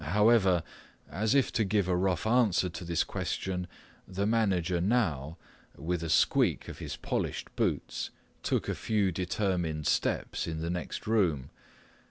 However, as if to give a rough answer to this question, the manager now, with a squeak of his polished boots, took a few determined steps in the next room.